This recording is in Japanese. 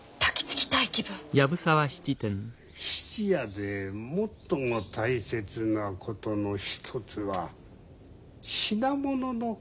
質屋で最も大切なことの一つは品物の管理だ。